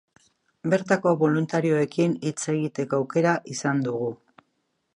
Bertako boluntarioekin hitz egiteko aukera izan dugu.